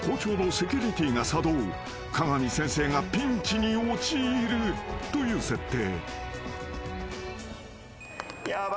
［加賀美先生がピンチに陥るという設定］